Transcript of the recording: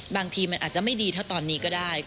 บางทีมันอาจจะไม่ดีเท่าตอนนี้ก็ได้